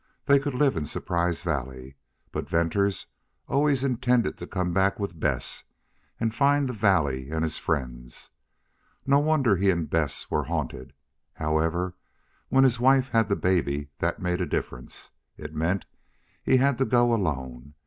They could live in Surprise Valley. But Venters always intended to come back with Bess and find the valley and his friends. No wonder he and Bess were haunted. However, when his wife had the baby that made a difference. It meant he had to go alone.